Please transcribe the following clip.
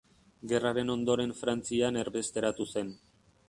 Gerraren ondoren Frantzian erbesteratu zen.